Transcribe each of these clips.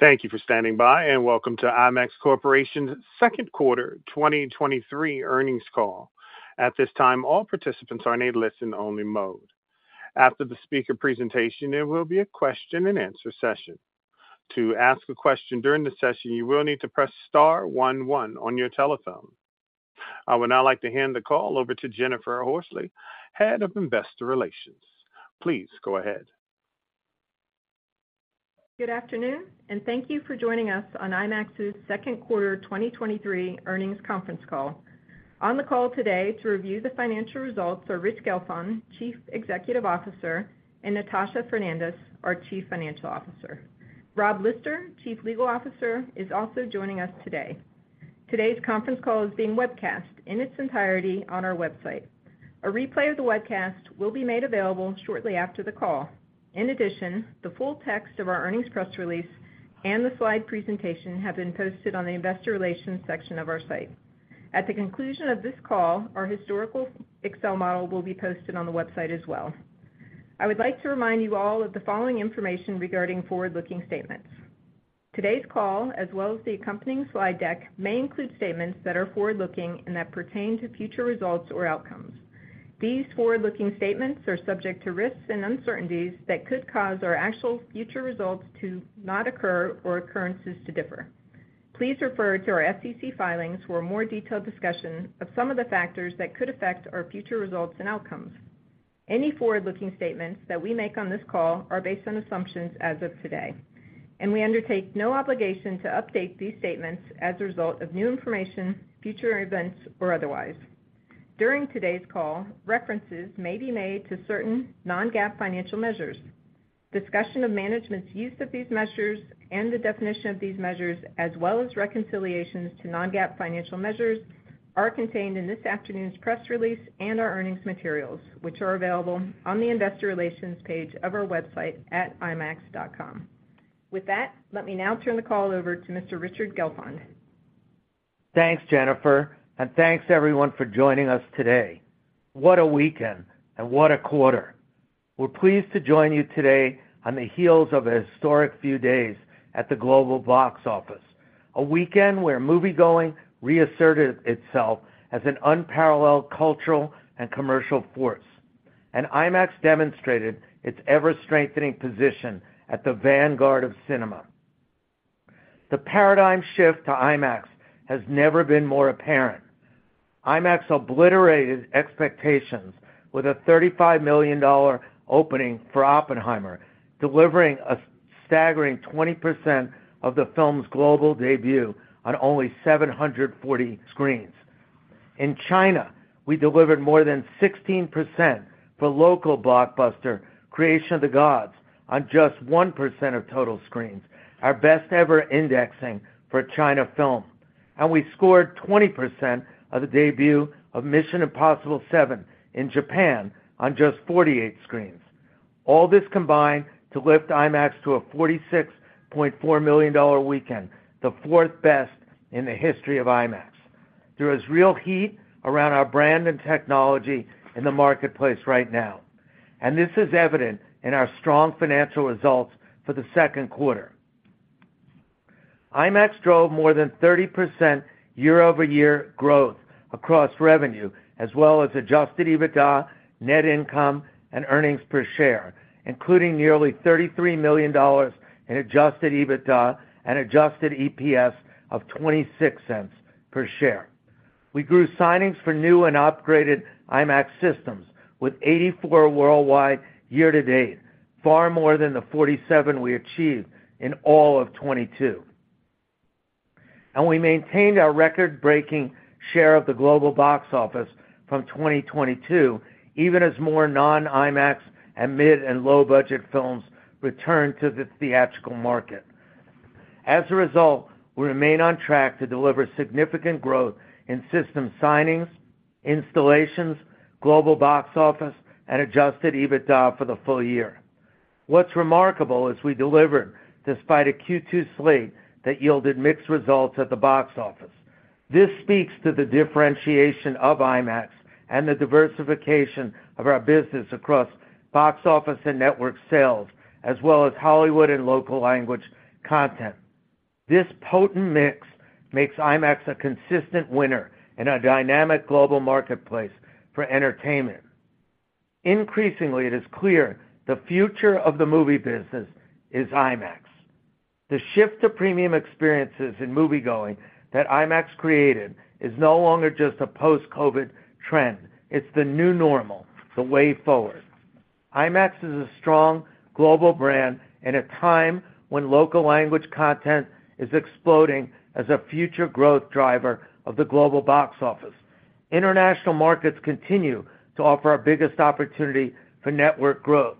Thank you for standing by, and welcome to IMAX Corporation's Q2 2023 Earnings Call. At this time, all participants are in a listen-only mode. After the speaker presentation, there will be a question-and-answer session. To ask a question during the session, you will need to press star one on your telephone. I would now like to hand the call over to Jennifer Horsley, Head of Investor Relations. Please go ahead. Good afternoon, thank you for joining us on IMAX's Q2 2023 Earnings Conference call. On the call today to review the financial results are Rich Gelfond, Chief Executive Officer, and Natasha Fernandes, our Chief Financial Officer. Robert Lister, Chief Legal Officer, is also joining us today. Today's conference call is being webcast in its entirety on our website. A replay of the webcast will be made available shortly after the call. The full text of our earnings press release and the slide presentation have been posted on the investor relations section of our site. At the conclusion of this call, our historical Excel model will be posted on the website as well. I would like to remind you all of the following information regarding forward-looking statements. Today's call, as well as the accompanying slide deck, may include statements that are forward-looking and that pertain to future results or outcomes. These forward-looking statements are subject to risks and uncertainties that could cause our actual future results to not occur or occurrences to differ. Please refer to our SEC filings for a more detailed discussion of some of the factors that could affect our future results and outcomes. Any forward-looking statements that we make on this call are based on assumptions as of today, and we undertake no obligation to update these statements as a result of new information, future events, or otherwise. During today's call, references may be made to certain non-GAAP financial measures. Discussion of management's use of these measures and the definition of these measures, as well as reconciliations to non-GAAP financial measures, are contained in this afternoon's press release and our earnings materials, which are available on the investor relations page of our website at imax.com. With that, let me now turn the call over to Mr. Richard Gelfond. Thanks, Jennifer, thanks everyone for joining us today. What a weekend and what a quarter! We're pleased to join you today on the heels of a historic few days at the global box office, a weekend where moviegoing reasserted itself as an unparalleled cultural and commercial force, and IMAX demonstrated its ever-strengthening position at the vanguard of cinema. The paradigm shift to IMAX has never been more apparent. IMAX obliterated expectations with a $35 million opening for Oppenheimer, delivering a staggering 20% of the film's global debut on only 740 screens. In China, we delivered more than 16% for local blockbuster, Creation of the Gods, on just 1% of total screens, our best-ever indexing for a China film. We scored 20% of the debut of Mission: Impossible 7 in Japan on just 48 screens. All this combined to lift IMAX to a $46.4 million weekend, the fourth best in the history of IMAX. There is real heat around our brand and technology in the marketplace right now, this is evident in our strong financial results for the Q2. IMAX drove more than 30% year-over-year growth across revenue, as well as Adjusted EBITDA, net income, and earnings per share, including nearly $33 million in Adjusted EBITDA and Adjusted EPS of $0.26 per share. We grew signings for new and upgraded IMAX systems with 84 worldwide year-to-date, far more than the 47 we achieved in all of 2022. We maintained our record-breaking share of the global box office from 2022, even as more non-IMAX and mid- and low-budget films returned to the theatrical market. As a result, we remain on track to deliver significant growth in system signings, installations, global box office, and Adjusted EBITDA for the full year. What's remarkable is we delivered despite a Q2 slate that yielded mixed results at the box office. This speaks to the differentiation of IMAX and the diversification of our business across box office and network sales, as well as Hollywood and local language content. This potent mix makes IMAX a consistent winner in a dynamic global marketplace for entertainment. Increasingly, it is clear the future of the movie business is IMAX. The shift to premium experiences in moviegoing that IMAX created is no longer just a post-COVID trend. It's the new normal, the way forward. IMAX is a strong global brand at a time when local language content is exploding as a future growth driver of the global box office. International markets continue to offer our biggest opportunity for network growth.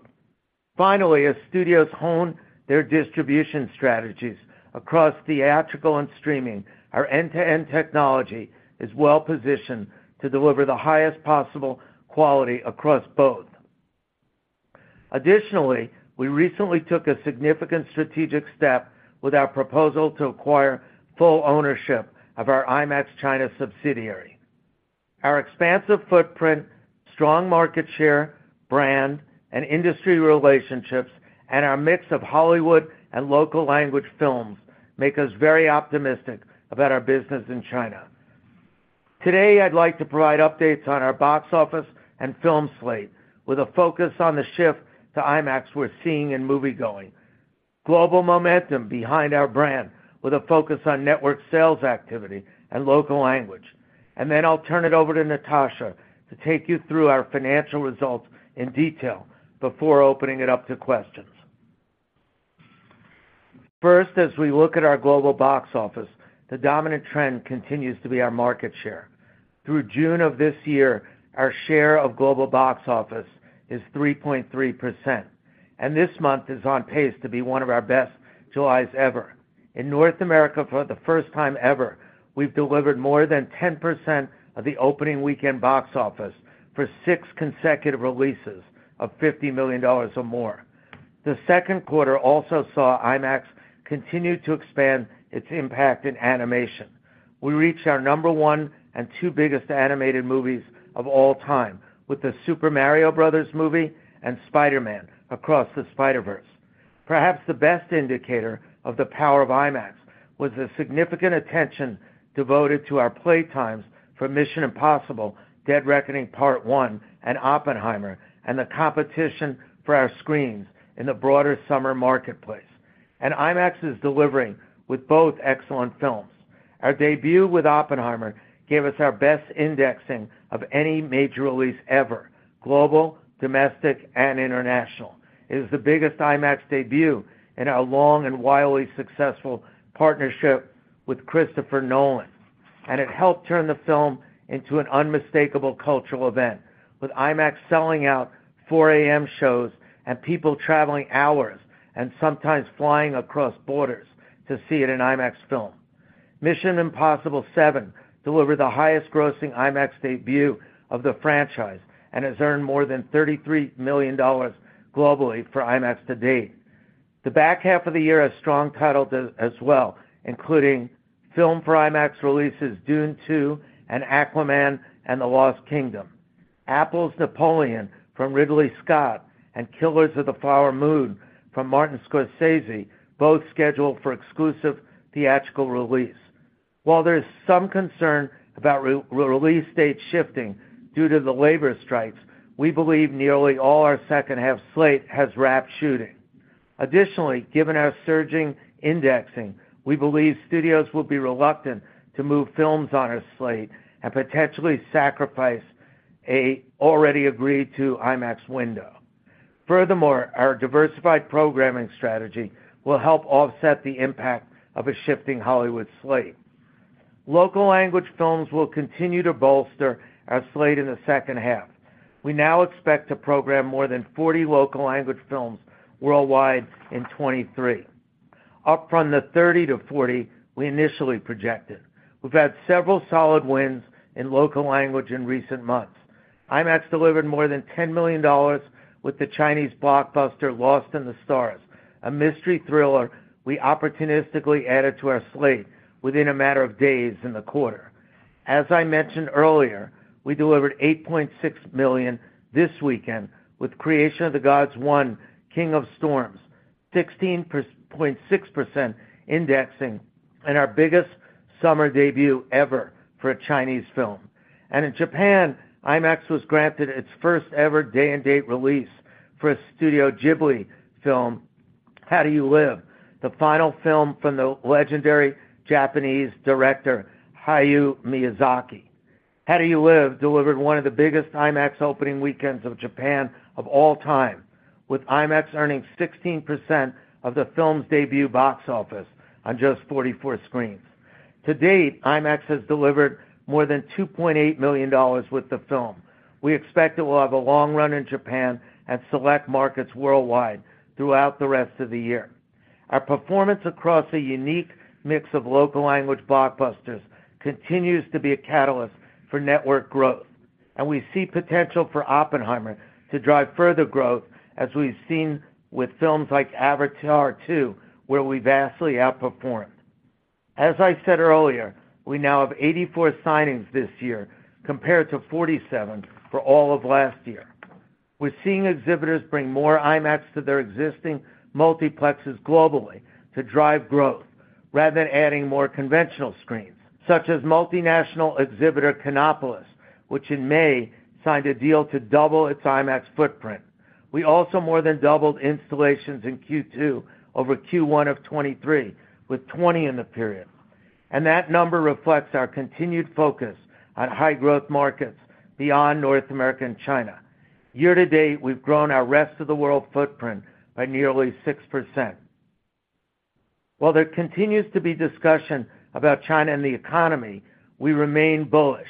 Finally, as studios hone their distribution strategies across theatrical and streaming, our end-to-end technology is well positioned to deliver the highest possible quality across both. Additionally, we recently took a significant strategic step with our proposal to acquire full ownership of our IMAX China subsidiary. Our expansive footprint, strong market share, brand, and industry relationships, and our mix of Hollywood and local language films make us very optimistic about our business in China. Today, I'd like to provide updates on our box office and film slate, with a focus on the shift to IMAX we're seeing in moviegoing, global momentum behind our brand, with a focus on network sales activity and local language. Then I'll turn it over to Natasha to take you through our financial results in detail before opening it up to questions. First, as we look at our global box office, the dominant trend continues to be our market share. Through June of this year, our share of global box office is 3.3%, and this month is on pace to be one of our best Julys ever. In North America, for the first time ever, we've delivered more than 10% of the opening weekend box office for 6 consecutive releases of $50 million or more. The Q2 also saw IMAX continue to expand its impact in animation. We reached our number one and two biggest animated movies of all time with The Super Mario Bros. Movie and Spider-Man: Across the Spider-Verse. Perhaps the best indicator of the power of IMAX was the significant attention devoted to our play times for Mission: Impossible – Dead Reckoning Part One and Oppenheimer, and the competition for our screens in the broader summer marketplace. IMAX is delivering with both excellent films. Our debut with Oppenheimer gave us our best indexing of any major release ever, global, domestic, and international. It is the biggest IMAX debut in our long and wildly successful partnership with Christopher Nolan, and it helped turn the film into an unmistakable cultural event, with IMAX selling out 4 A.M. shows and people traveling hours and sometimes flying across borders to see it in IMAX film. Mission: Impossible 7 delivered the highest grossing IMAX debut of the franchise and has earned more than $33 million globally for IMAX to date. The back half of the year has strong titles as well, including Filmed for IMAX releases Dune: Part Two and Aquaman and the Lost Kingdom. Apple's Napoleon from Ridley Scott and Killers of the Flower Moon from Martin Scorsese, both scheduled for exclusive theatrical release. While there is some concern about re-release date shifting due to the labor strikes, we believe nearly all our second half slate has wrapped shooting. Given our surging indexing, we believe studios will be reluctant to move films on our slate and potentially sacrifice a already agreed to IMAX window. Our diversified programming strategy will help offset the impact of a shifting Hollywood slate. Local language films will continue to bolster our slate in the second half. We now expect to program more than 40 local language films worldwide in 2023, up from the 30-40 we initially projected. We've had several solid wins in local language in recent months. IMAX delivered more than $10 million with the Chinese blockbuster, Lost in the Stars, a mystery thriller we opportunistically added to our slate within a matter of days in the quarter. As I mentioned earlier, we delivered $8.6 million this weekend with Creation of the Gods One: Kingdom of Storms, 16.6% indexing and our biggest summer debut ever for a Chinese film. In Japan, IMAX was granted its first-ever day-and-date release for a Studio Ghibli film, How Do You Live, the final film from the legendary Japanese director, Hayao Miyazaki. How Do You Live delivered one of the biggest IMAX opening weekends of Japan of all time, with IMAX earning 16% of the film's debut box office on just 44 screens. To date, IMAX has delivered more than $2.8 million with the film. We expect it will have a long run in Japan and select markets worldwide throughout the rest of the year. Our performance across a unique mix of local language blockbusters continues to be a catalyst for network growth. We see potential for Oppenheimer to drive further growth, as we've seen with films like Avatar Two, where we vastly outperformed. As I said earlier, we now have 84 signings this year, compared to 47 for all of last year. We're seeing exhibitors bring more IMAX to their existing multiplexes globally to drive growth, rather than adding more conventional screens, such as multinational exhibitor, Cinépolis, which in May, signed a deal to double its IMAX footprint. We also more than doubled installations in Q2 over Q1 of 2023, with 20 in the period. That number reflects our continued focus on high-growth markets beyond North America and China. Year to date, we've grown our rest-of-the-world footprint by nearly 6%. While there continues to be discussion about China and the economy, we remain bullish.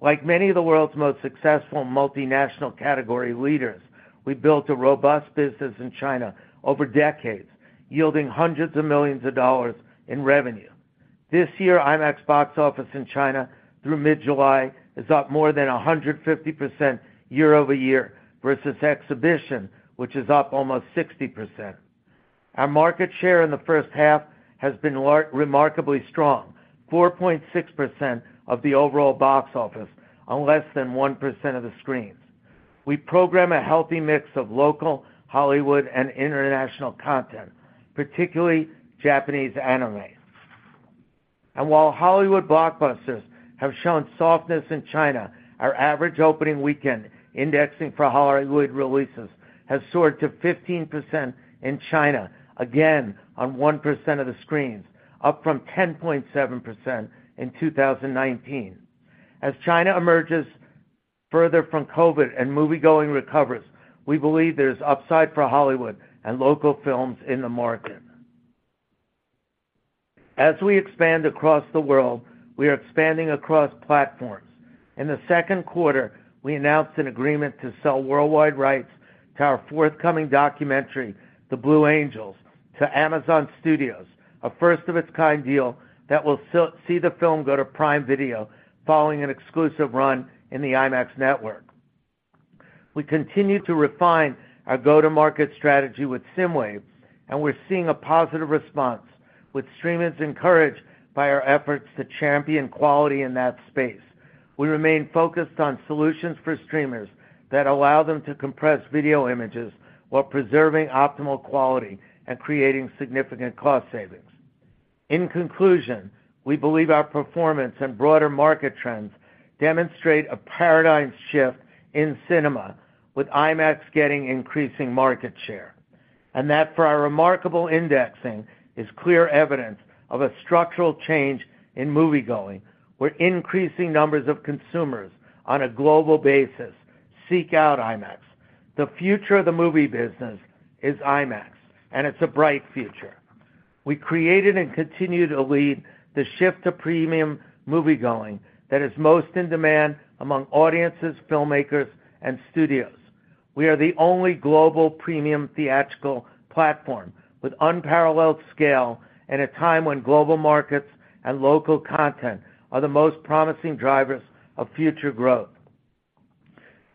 Like many of the world's most successful multinational category leaders, we built a robust business in China over decades, yielding hundreds of millions of dollars in revenue. This year, IMAX box office in China through mid-July is up more than 150% year over year versus exhibition, which is up almost 60%. Our market share in the first half has been remarkably strong, 4.6% of the overall box office on less than 1% of the screens. We program a healthy mix of local, Hollywood, and international content, particularly Japanese anime. While Hollywood blockbusters have shown softness in China, our average opening weekend indexing for Hollywood releases has soared to 15% in China, again, on 1% of the screens, up from 10.7% in 2019. As China emerges further from COVID and moviegoing recovers, we believe there's upside for Hollywood and local films in the market. As we expand across the world, we are expanding across platforms. In the Q2, we announced an agreement to sell worldwide rights to our forthcoming documentary, The Blue Angels, to Amazon Studios, a first-of-its-kind deal that will see the film go to Prime Video following an exclusive run in the IMAX network. We continue to refine our go-to-market strategy with SSIMWAVE, and we're seeing a positive response, with streamers encouraged by our efforts to champion quality in that space. We remain focused on solutions for streamers that allow them to compress video images while preserving optimal quality and creating significant cost savings. In conclusion, we believe our performance and broader market trends demonstrate a paradigm shift in cinema, with IMAX getting increasing market share, and that for our remarkable indexing is clear evidence of a structural change in moviegoing, where increasing numbers of consumers on a global basis seek out IMAX. The future of the movie business is IMAX, and it's a bright future. We created and continue to lead the shift to premium moviegoing that is most in demand among audiences, filmmakers, and studios. We are the only global premium theatrical platform with unparalleled scale in a time when global markets and local content are the most promising drivers of future growth.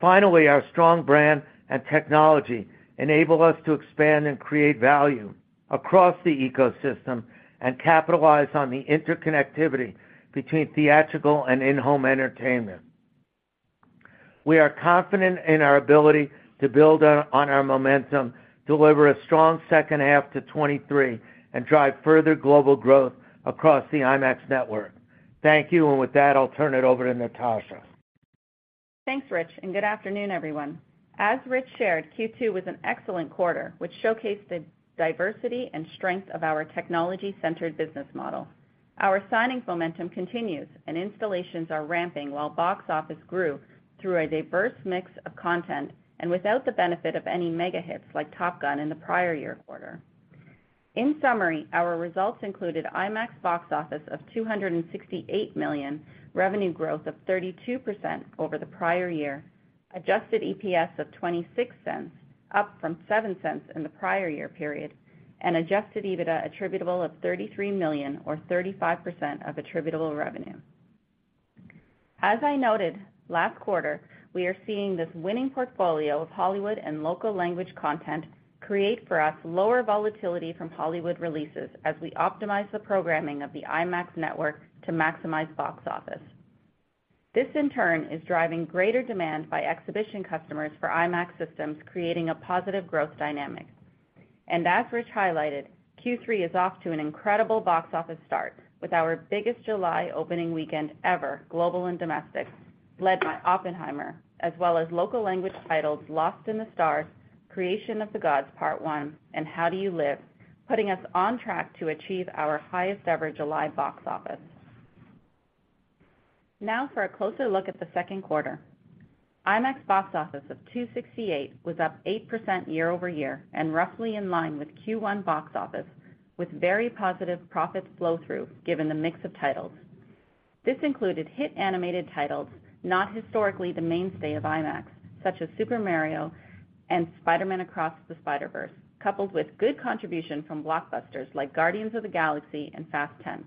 Our strong brand and technology enable us to expand and create value across the ecosystem and capitalize on the interconnectivity between theatrical and in-home entertainment. We are confident in our ability to build on our momentum, deliver a strong second half to 2023, and drive further global growth across the IMAX network. Thank you, and with that, I'll turn it over to Natasha. Thanks, Rich. Good afternoon, everyone. As Rich shared, Q2 was an excellent quarter, which showcased the diversity and strength of our technology-centered business model. Our signing momentum continues. Installations are ramping while box office grew through a diverse mix of content and without the benefit of any mega hits like Top Gun in the prior year quarter. In summary, our results included IMAX box office of $268 million, revenue growth of 32% over the prior year, Adjusted EPS of $0.26, up from $0.07 in the prior year period. Adjusted EBITDA attributable of $33 million, or 35% of attributable revenue. As I noted last quarter, we are seeing this winning portfolio of Hollywood and local language content create for us lower volatility from Hollywood releases as we optimize the programming of the IMAX network to maximize box office. This, in turn, is driving greater demand by exhibition customers for IMAX systems, creating a positive growth dynamic. As Rich highlighted, Q3 is off to an incredible box office start, with our biggest July opening weekend ever, global and domestic, led by Oppenheimer, as well as local language titles Lost in the Stars, Creation of the Gods Part One, and How Do You Live? Putting us on track to achieve our highest-ever July box office. Now for a closer look at the Q2. IMAX box office of $268 million was up 8% year-over-year and roughly in line with Q1 box office, with very positive profit flow-through, given the mix of titles. This included hit animated titles, not historically the mainstay of IMAX, such as Super Mario and Spider-Man: Across the Spider-Verse, coupled with good contribution from blockbusters like Guardians of the Galaxy and Fast Ten.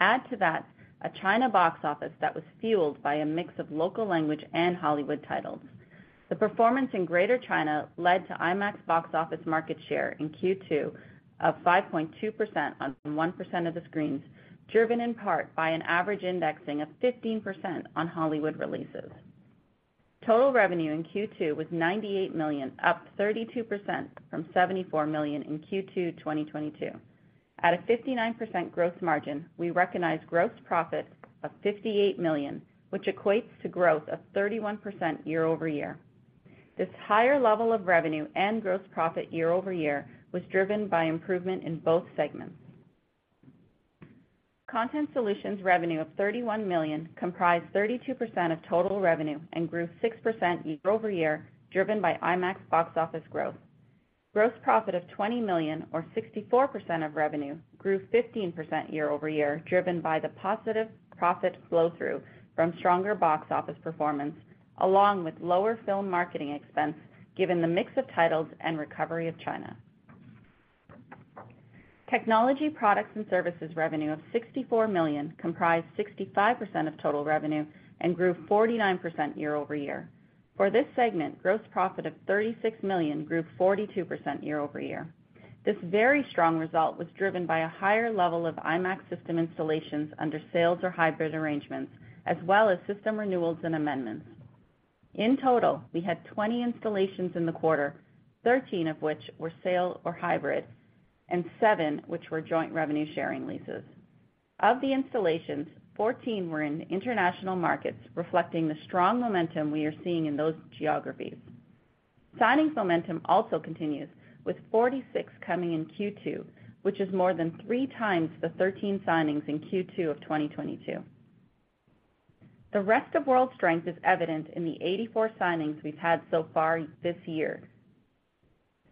Add to that, a China box office that was fueled by a mix of local language and Hollywood titles. The performance in Greater China led to IMAX box office market share in Q2 of 5.2% on 1% of the screens, driven in part by an average indexing of 15% on Hollywood releases. Total revenue in Q2 was $98 million, up 32% from $74 million in Q2 2022. At a 59% growth margin, we recognized gross profit of $58 million, which equates to growth of 31% year-over-year. This higher level of revenue and gross profit year-over-year was driven by improvement in both segments. Content Solutions revenue of $31 million comprised 32% of total revenue and grew 6% year-over-year, driven by IMAX box office growth. Gross profit of $20 million, or 64% of revenue, grew 15% year-over-year, driven by the positive profit flow-through from stronger box office performance, along with lower film marketing expense, given the mix of titles and recovery of China. Technology Products and Services revenue of $64 million comprised 65% of total revenue and grew 49% year-over-year. For this segment, gross profit of $36 million grew 42% year-over-year. This very strong result was driven by a higher level of IMAX system installations under sales or hybrid arrangements, as well as system renewals and amendments. In total, we had 20 installations in the quarter, 13 of which were sale or hybrid, and seven which were joint revenue-sharing leases. Of the installations, 14 were in international markets, reflecting the strong momentum we are seeing in those geographies. Signings momentum also continues, with 46 coming in Q2, which is more than three times the 13 signings in Q2 of 2022. The rest of world strength is evident in the 84 signings we've had so far this year.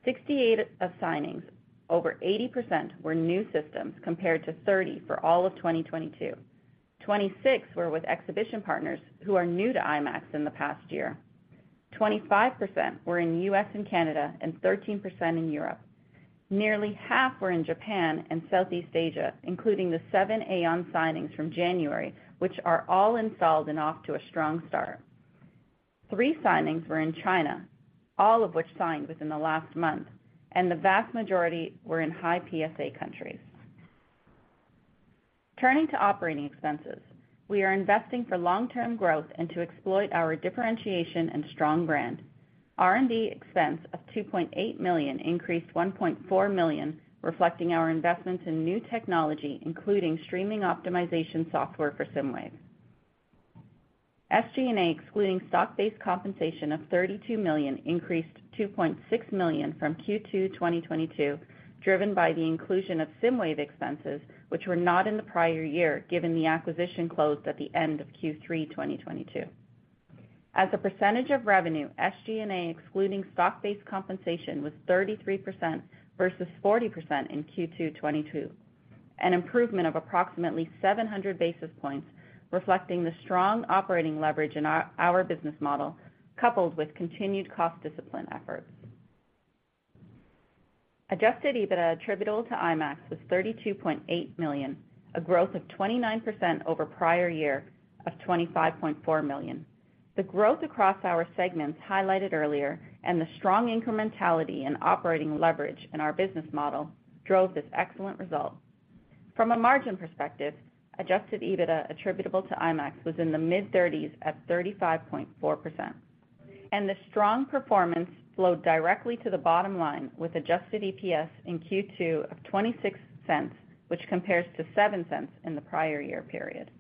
68 of signings, over 80%, were new systems, compared to 30 for all of 2022. 26 were with exhibition partners who are new to IMAX in the past year. 25% were in U.S. and Canada, and 13% in Europe. Nearly half were in Japan and Southeast Asia, including the seven AEON signings from January, which are all installed and off to a strong start. 3 signings were in China, all of which signed within the last month, and the vast majority were in high PSA countries. Turning to operating expenses, we are investing for long-term growth and to exploit our differentiation and strong brand. R&D expense of $2.8 million increased $1.4 million, reflecting our investments in new technology, including streaming optimization software for SSIMWAVE. SG&A, excluding stock-based compensation of $32 million, increased $2.6 million from Q2 2022, driven by the inclusion of SSIMWAVE expenses, which were not in the prior year, given the acquisition closed at the end of Q3 2022. As a percentage of revenue, SG&A, excluding stock-based compensation, was 33% versus 40% in Q2 2022, an improvement of approximately 700 basis points, reflecting the strong operating leverage in our business model, coupled with continued cost discipline efforts. Adjusted EBITDA attributable to IMAX was $32.8 million, a growth of 29% over prior year of $25.4 million. The growth across our segments highlighted earlier and the strong incrementality and operating leverage in our business model drove this excellent result. From a margin perspective, Adjusted EBITDA attributable to IMAX was in the mid-30s at 35.4%, and the strong performance flowed directly to the bottom line with Adjusted EPS in Q2 of $0.26, which compares to $0.07 in the prior year period.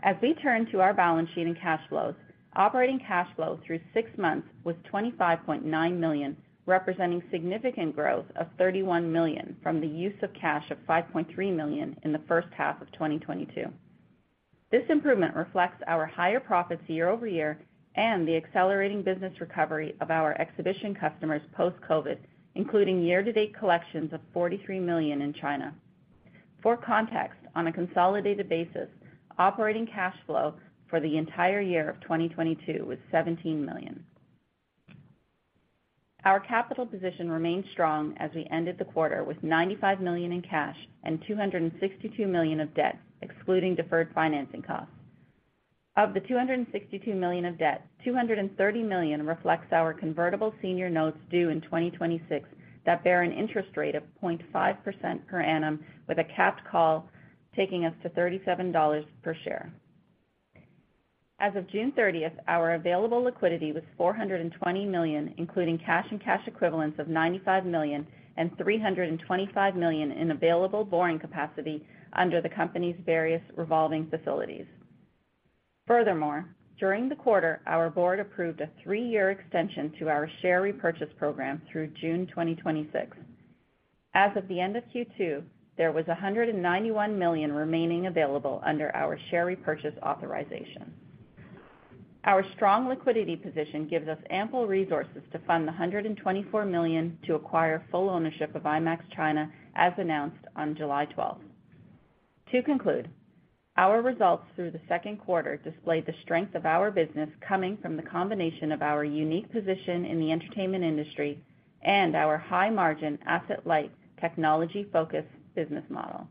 As we turn to our balance sheet and cash flows, operating cash flow through six months was $25.9 million, representing significant growth of $31 million from the use of cash of $5.3 million in the first half of 2022. This improvement reflects our higher profits year-over-year and the accelerating business recovery of our exhibition customers post-COVID, including year-to-date collections of $43 million in China. For context, on a consolidated basis, operating cash flow for the entire year of 2022 was $17 million. Our capital position remains strong as we ended the quarter with $95 million in cash and $262 million of debt, excluding deferred financing costs. Of the $262 million of debt, $230 million reflects our convertible senior notes due in 2026 that bear an interest rate of 0.5% per annum, with a capped call taking us to $37 per share. As of June 30th, our available liquidity was $420 million, including cash and cash equivalents of $95 million and $325 million in available borrowing capacity under the company's various revolving facilities. During the quarter, our board approved a three-year extension to our share repurchase program through June 2026. As of the end of Q2, there was $191 million remaining available under our share repurchase authorization. Our strong liquidity position gives us ample resources to fund the $124 million to acquire full ownership of IMAX China, as announced on July 12th. To conclude, our results through the Q2 display the strength of our business coming from the combination of our unique position in the entertainment industry and our high-margin, asset-light, technology-focused business model.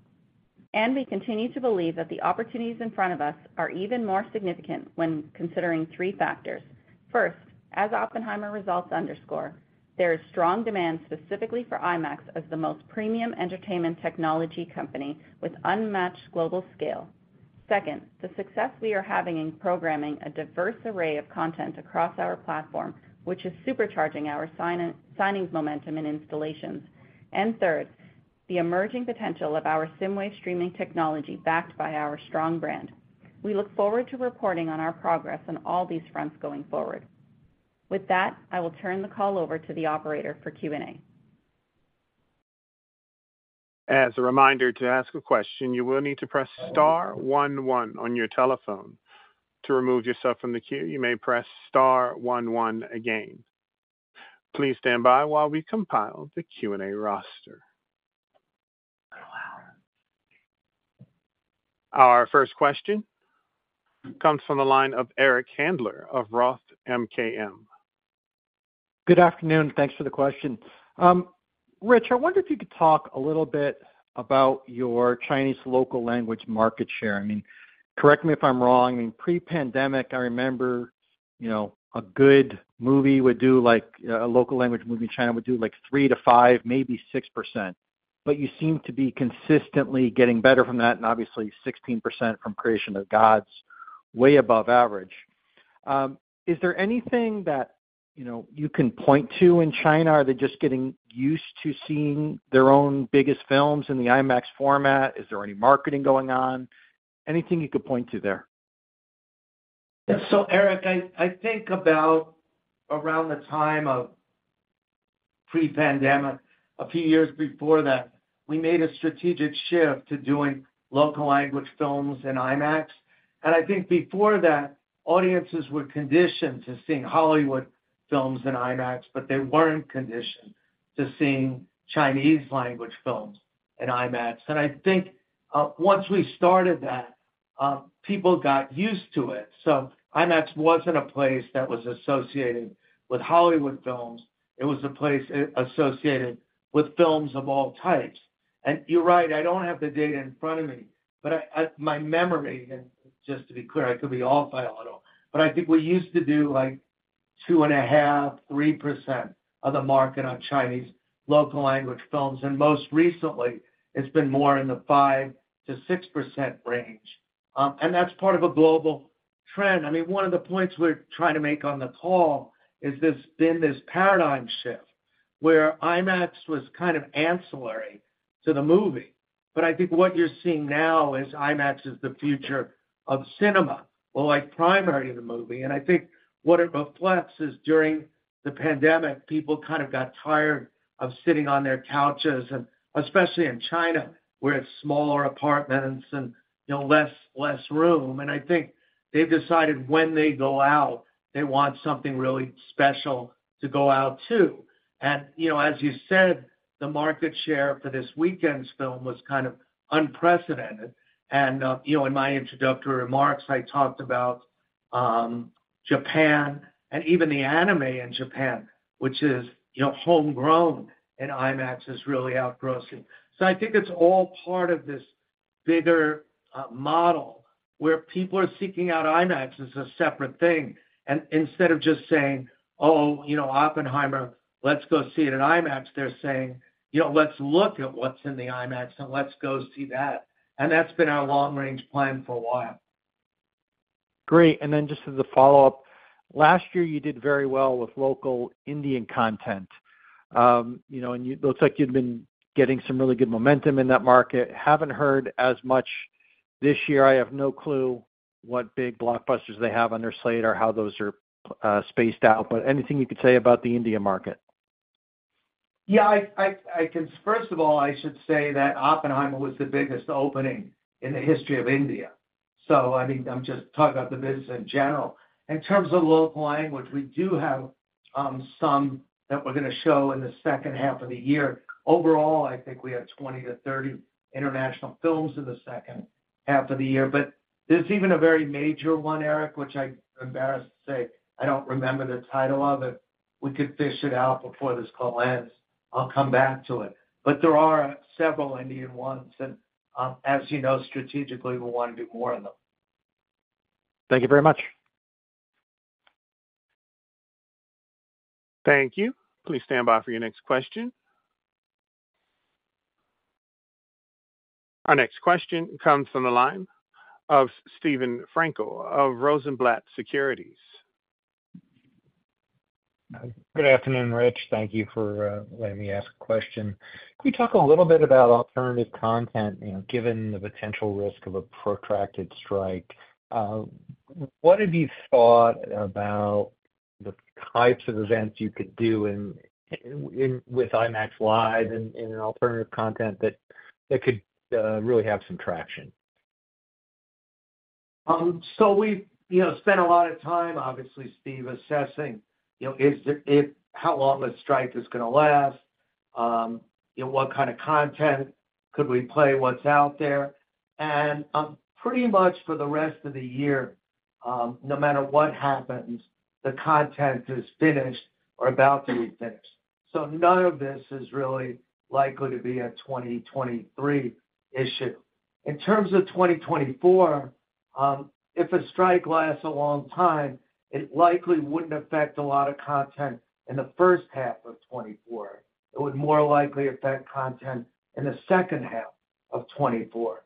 We continue to believe that the opportunities in front of us are even more significant when considering three factors. First, as Oppenheimer results underscore, there is strong demand specifically for IMAX as the most premium entertainment technology company with unmatched global scale. Second, the success we are having in programming a diverse array of content across our platform, which is supercharging our signings momentum and installations. Third, the emerging potential of our SSIMWAVE streaming technology, backed by our strong brand. We look forward to reporting on our progress on all these fronts going forward. With that, I will turn the call over to the operator for Q&A. As a reminder, to ask a question, you will need to press star one one on your telephone. To remove yourself from the queue, you may press star one one again. Please stand by while we compile the Q&A roster. Our first question comes from the line of Eric Handler of Roth MKM. Good afternoon. Thanks for the question. Rich, I wonder if you could talk a little bit about your Chinese local language market share. I mean, correct me if I'm wrong, in pre-pandemic, I remember, you know, a good movie would do like, a local language movie in China would do, like 3% to 5%, maybe 6%. You seem to be consistently getting better from that, and obviously 16% from Creation of Gods, way above average. Is there anything that, you know, you can point to in China, or are they just getting used to seeing their own biggest films in the IMAX format? Is there any marketing going on? Anything you could point to there? Eric, I think about around the time of pre-pandemic, a few years before that, we made a strategic shift to doing local language films in IMAX. I think before that, audiences were conditioned to seeing Hollywood films in IMAX, but they weren't conditioned to seeing Chinese language films in IMAX. I think once we started that, people got used to it. IMAX wasn't a place that was associated with Hollywood films, it was a place associated with films of all types. You're right, I don't have the data in front of me, but my memory, and just to be clear, I could be off by a little, but I think we used to do, like 2.5%, 3% of the market on Chinese local language films, and most recently, it's been more in the 5% to 6% range. That's part of a global trend. I mean, one of the points we're trying to make on the call is this, been this paradigm shift where IMAX was kind of ancillary to the movie. I think what you're seeing now is IMAX is the future of cinema or, like, primary to the movie. I think what it reflects is, during the pandemic, people kind of got tired of sitting on their couches and especially in China, where it's smaller apartments and, you know, less room. I think they've decided when they go out, they want something really special to go out to. As you said, the market share for this weekend's film was kind of unprecedented. In my introductory remarks, I talked about Japan and even the anime in Japan, which is, you know, homegrown, and IMAX is really outgrossing. I think it's all part of this bigger model, where people are seeking out IMAX as a separate thing. Instead of just saying, "Oh, you know, Oppenheimer, let's go see it in IMAX," they're saying, "You know, let's look at what's in the IMAX and let's go see that." That's been our long-range plan for a while. Great. Just as a follow-up, last year, you did very well with local Indian content. You know, and it looks like you've been getting some really good momentum in that market. Haven't heard as much this year. I have no clue what big blockbusters they have on their slate or how those are spaced out, but anything you could say about the Indian market? Yeah, I can first of all, I should say that Oppenheimer was the biggest opening in the history of India. I mean, I'm just talking about the business in general. In terms of local language, we do have some that we're going to show in the second half of the year. Overall, I think we have 20 to 30 international films in the second half of the year, there's even a very major one, Eric, which I'm embarrassed to say, I don't remember the title of it. We could fish it out before this call ends. I'll come back to it. There are several Indian ones, and, as you know, strategically, we want to do more of them. Thank you very much. Thank you. Please stand by for your next question. Our next question comes from the line of Steve Frankel of Rosenblatt Securities. Good afternoon, Rich. Thank you for letting me ask a question. Can you talk a little bit about alternative content, you know, given the potential risk of a protracted strike, what have you thought about the types of events you could do in with IMAX LIVE and in an alternative content that could really have some traction? So we've, you know, spent a lot of time, obviously, Steve, assessing, you know, how long the strike is going to last, you know, what kind of content could we play, what's out there. Pretty much for the rest of the year, no matter what happens, the content is finished or about to be finished. None of this is really likely to be a 2023 issue. In terms of 2024, if a strike lasts a long time, it likely wouldn't affect a lot of content in the first half of 2024. It would more likely affect content in the second half of 2024.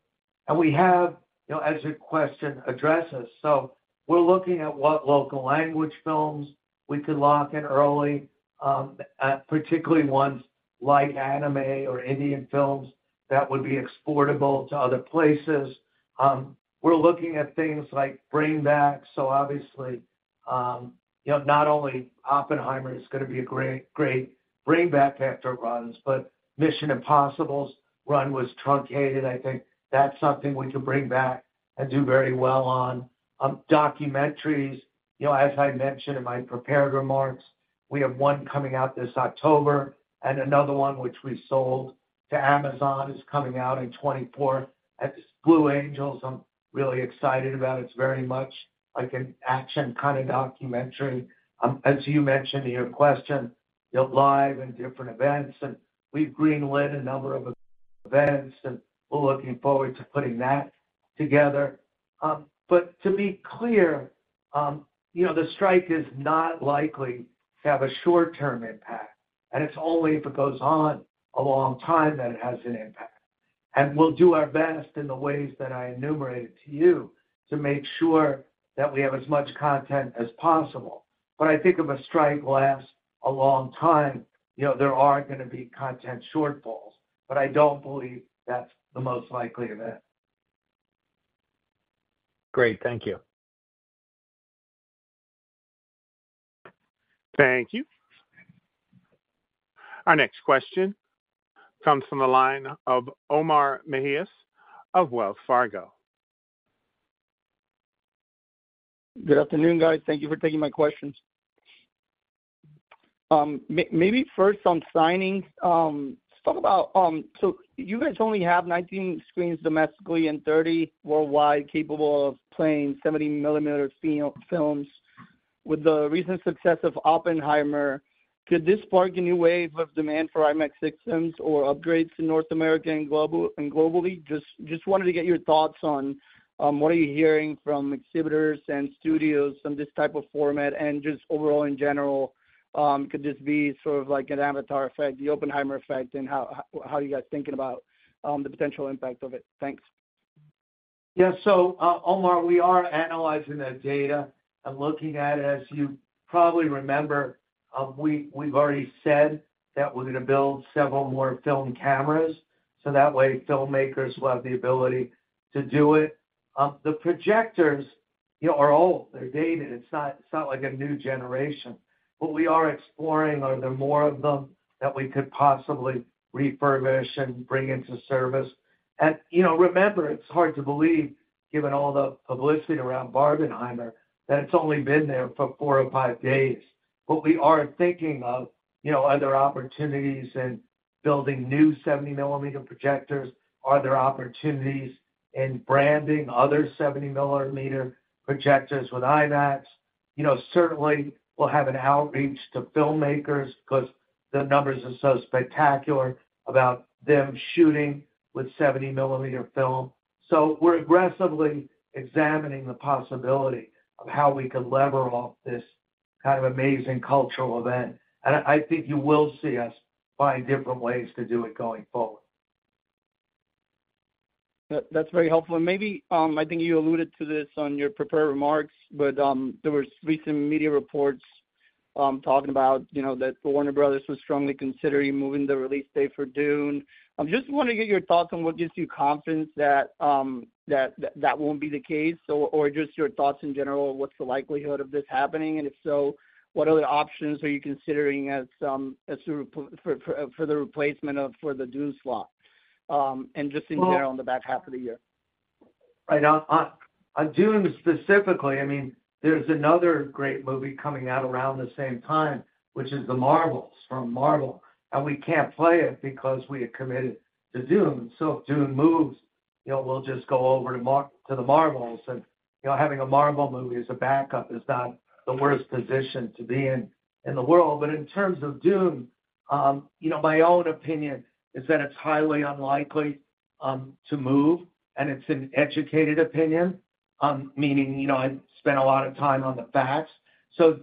We have, you know, as your question addresses, we're looking at what local language films we could lock in early, particularly ones like anime or Indian films, that would be exportable to other places. We're looking at things like bring backs. Obviously, you know, not only Oppenheimer is going to be a great bring back after runs, but Mission Impossible's run was truncated. I think that's something we can bring back and do very well on. Documentaries, you know, as I mentioned in my prepared remarks. We have one coming out this October, another one, which we sold to Amazon, is coming out in 2024. At Blue Angels, I'm really excited about. It's very much like an action kind of documentary. As you mentioned in your question, you know, live and different events, we've greenlit a number of events, and we're looking forward to putting that together. To be clear, you know, the strike is not likely to have a short-term impact, it's only if it goes on a long time that it has an impact. We'll do our best in the ways that I enumerated to you to make sure that we have as much content as possible. I think if a strike lasts a long time, you know, there are gonna be content shortfalls, but I don't believe that's the most likely event. Great. Thank you. Thank you. Our next question comes from the line of Omar Mejias of Wells Fargo. Good afternoon, guys. Thank you for taking my questions. maybe first on signings, talk about, so you guys only have 19 screens domestically and 30 worldwide, capable of playing 70 millimeters films. With the recent success of Oppenheimer, could this spark a new wave of demand for IMAX systems or upgrades to North America and globally? Just wanted to get your thoughts on, what are you hearing from exhibitors and studios on this type of format, and just overall in general, could this be sort of like an Avatar effect, the Oppenheimer effect, and how are you guys thinking about, the potential impact of it? Thanks. Yes. Omar, we are analyzing that data and looking at it. As you probably remember, we've already said that we're gonna build several more film cameras, so that way filmmakers will have the ability to do it. The projectors, you know, are old, they're dated. It's not like a new generation. We are exploring, are there more of them that we could possibly refurbish and bring into service? You know, remember, it's hard to believe, given all the publicity around Barbenheimer, that it's only been there for four or five days. We are thinking of, you know, other opportunities and building new 70 millimeter projectors. Are there opportunities in branding other 70 millimeter projectors with IMAX? You know, certainly we'll have an outreach to filmmakers because the numbers are so spectacular about them shooting with 70 millimeter film. We're aggressively examining the possibility of how we could lever off this kind of amazing cultural event. I think you will see us find different ways to do it going forward. That's very helpful. Maybe, I think you alluded to this on your prepared remarks, but, there was recent media reports, talking about, you know, that Warner Bros. was strongly considering moving the release date for Dune. I just want to get your thoughts on what gives you confidence that won't be the case, or just your thoughts in general, what's the likelihood of this happening? If so, what other options are you considering as for the replacement of for the Dune slot, and just in general on the back half of the year? Right. On Dune specifically, I mean, there's another great movie coming out around the same time, which is The Marvels from Marvel, and we can't play it because we are committed to Dune. If Dune moves, you know, we'll just go over to The Marvels, and, you know, having a Marvel movie as a backup is not the worst position to be in the world. In terms of Dune, you know, my own opinion is that it's highly unlikely to move, and it's an educated opinion. Meaning, you know, I spent a lot of time on the facts.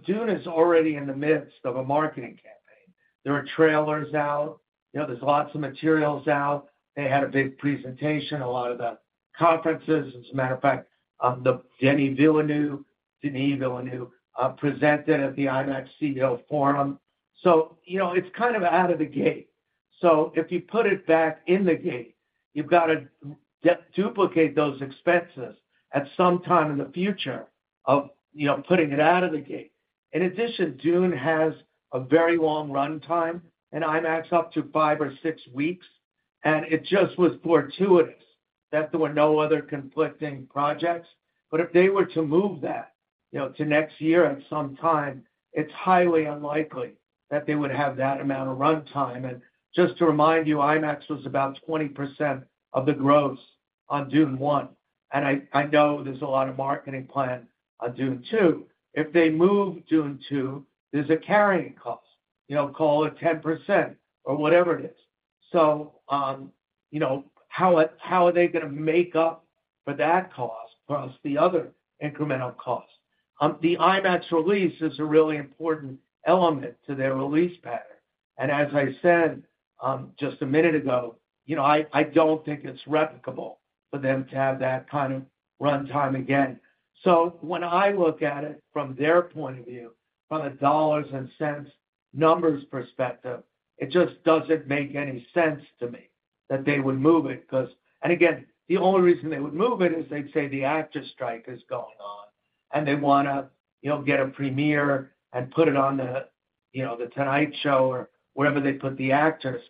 Dune is already in the midst of a marketing campaign. There are trailers out, you know, there's lots of materials out. They had a big presentation, a lot of the conferences. As a matter of fact, the Denis Villeneuve presented at the IMAX CEO Forum. You know, it's kind of out of the gate. If you put it back in the gate, you've got to duplicate those expenses at some time in the future of, you know, putting it out of the gate. In addition, Dune has a very long run time, and IMAX up to five or six weeks, and it just was fortuitous that there were no other conflicting projects. If they were to move that, you know, to next year at some time, it's highly unlikely that they would have that amount of run time. Just to remind you, IMAX was about 20% of the gross on Dune One, I know there's a lot of marketing plan on Dune Two. If they move Dune Two, there's a carrying cost, you know, call it 10% or whatever it is. you know, how are they gonna make up for that cost plus the other incremental costs? The IMAX release is a really important element to their release pattern. as I said, just a minute ago, you know, I don't think it's replicable for them to have that kind of run time again. When I look at it from their point of view, from a dollars and cents numbers perspective, it just doesn't make any sense to me that they would move it, because... Again, the only reason they would move it is they'd say the actors strike is going on, and they wanna, you know, get a premiere and put it on the, you know, The Tonight Show or wherever they put the actors.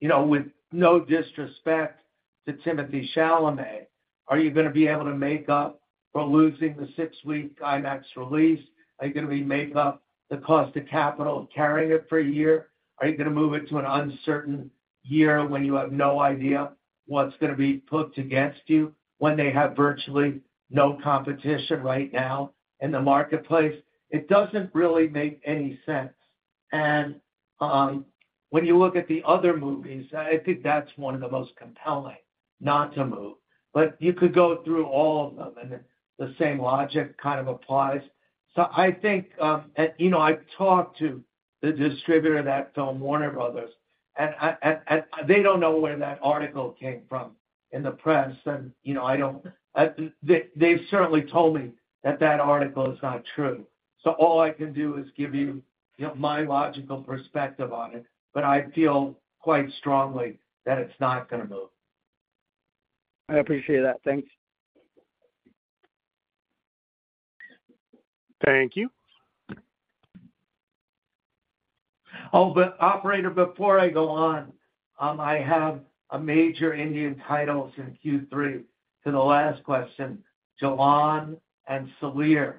You know, with no disrespect to Timothée Chalamet, are you going to be able to make up for losing the six-week IMAX release? Are you going to make up the cost of capital carrying it for a year? Are you going to move it to an uncertain year when you have no idea what's going to be put against you, when they have virtually no competition right now in the marketplace? It doesn't really make any sense. When you look at the other movies, I think that's one of the most compelling not to move, but you could go through all of them, and the same logic kind of applies. I think, and, you know, I've talked to the distributor of that film, Warner Bros., and they don't know where that article came from in the press, and, you know, I don't. They've certainly told me that that article is not true. All I can do is give you know, my logical perspective on it, but I feel quite strongly that it's not going to move. I appreciate that. Thanks. Thank you. Operator, before I go on, I have a major Indian titles in Q3 to the last question, Jawan and Salaar.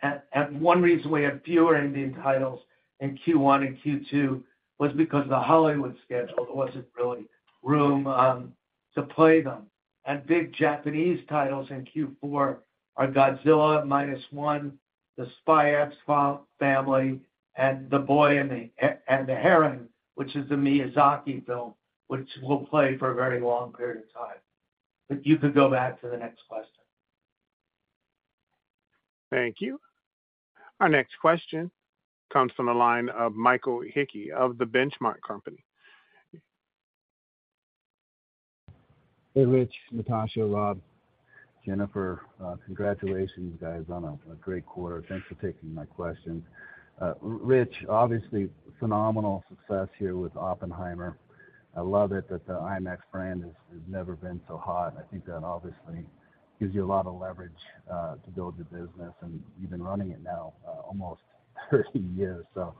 And one reason we have fewer Indian titles in Q1 and Q2 was because the Hollywood schedule, there wasn't really room to play them. Big Japanese titles in Q4 are Godzilla Minus One, SPY x FAMILY, and The Boy and the Heron, which is the Miyazaki film, which will play for a very long period of time. You could go back to the next question. Thank you. Our next question comes from the line of Michael Hickey of The Benchmark Company. Hey, Rich, Natasha, Rob, Jennifer. Congratulations, guys, on a great quarter. Thanks for taking my questions. Rich, obviously, phenomenal success here with Oppenheimer. I love it that the IMAX brand has never been so hot. I think that obviously gives you a lot of leverage to build the business, and you've been running it now almost 30 years, so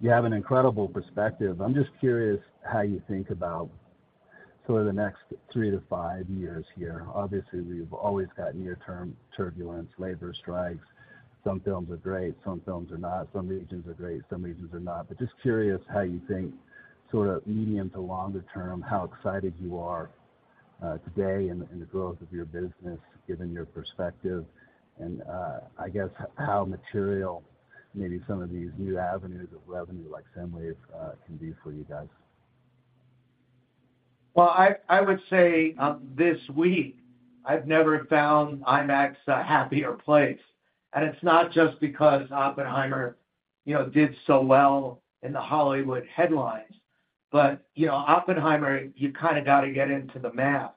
you have an incredible perspective. I'm just curious how you think about sort of the next three to five years here. Obviously, we've always got near-term turbulence, labor strikes. Some films are great, some films are not, some regions are great, some regions are not. Just curious how you think sort of medium to longer term, how excited you are today in the growth of your business, given your perspective, and I guess how material maybe some of these new avenues of revenue, like SSIMWAVE can be for you guys? I would say, this week, I've never found IMAX a happier place. It's not just because Oppenheimer, you know, did so well in the Hollywood headlines. You know, Oppenheimer, you kind of got to get into the math.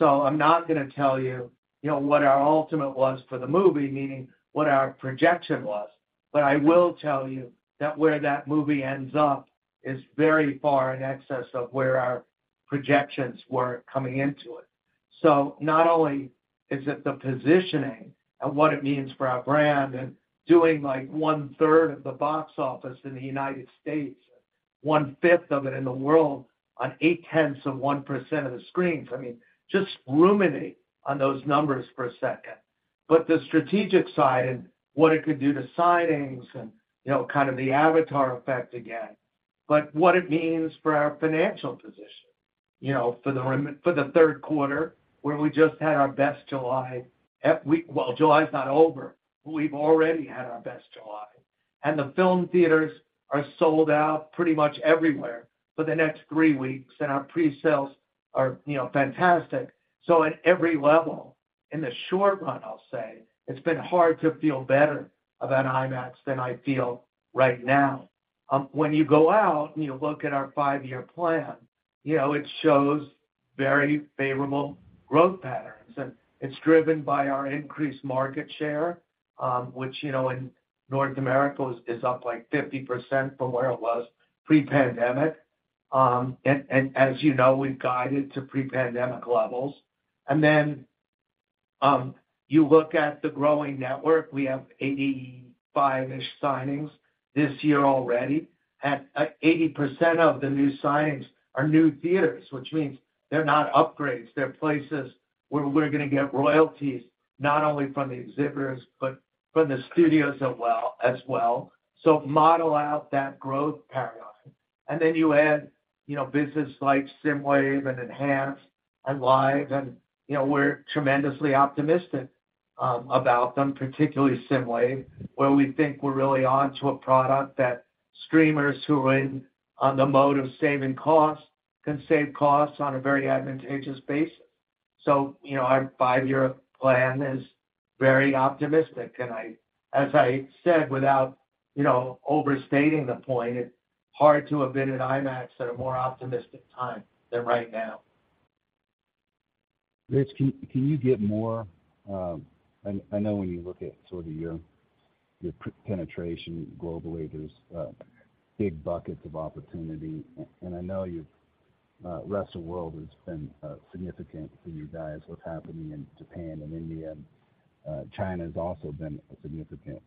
I'm not going to tell you know, what our ultimate was for the movie, meaning what our projection was. I will tell you that where that movie ends up is very far in excess of where our projections were coming into it. Not only is it the positioning and what it means for our brand and doing, like, 1/3 of the box office in the United States, 1/5 of it in the world, on 0.8% of the screens. I mean, just ruminate on those numbers for a second. The strategic side and what it could do to signings and, you know, kind of the Avatar effect again, but what it means for our financial position, you know, for the Q3, where we just had our best July. Well, July's not over, but we've already had our best July. The film theaters are sold out pretty much everywhere for the next three weeks, and our presales are, you know, fantastic. At every level, in the short run, I'll say, it's been hard to feel better about IMAX than I feel right now. When you go out and you look at our five-year plan, you know, it shows very favorable growth patterns, and it's driven by our increased market share, which, you know, in North America is up, like, 50% from where it was pre-pandemic. As you know, we've guided to pre-pandemic levels. You look at the growing network. We have 85-ish signings this year already, and 80% of the new signings are new theaters, which means they're not upgrades. They're places where we're going to get royalties, not only from the exhibitors, but from the studios as well, as well. Model out that growth paradigm. You add, you know, business like SSIMWAVE and Enhance and Live, you know, we're tremendously optimistic about them, particularly SSIMWAVE, where we think we're really onto a product that streamers who are in on the mode of saving costs can save costs on a very advantageous basis. You know, our five-year plan is very optimistic, and as I said, without, you know, overstating the point, it's hard to have been at IMAX at a more optimistic time than right now. Rich, can you give more, I know when you look at sort of your pre- penetration globally, there's big buckets of opportunity. I know you've rest of world has been significant for you guys, what's happening in Japan and India, China has also been a significant